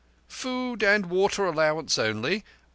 "Food and water allowance only.